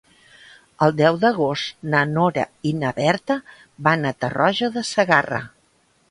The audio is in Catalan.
El deu d'agost na Nora i na Berta van a Tarroja de Segarra.